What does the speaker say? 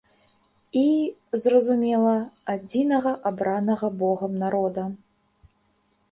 І, зразумела, адзінага абранага богам народа.